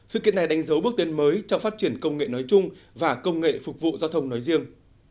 sự kiện này đánh dấu bước tiến mới trong phát triển công nghệ nói chung và công nghệ phục vụ giao thông nói riêng